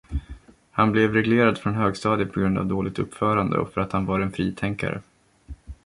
Han blev relegerad från högstadiet p.g.a. dåligt uppförande och för att han var en fritänkare.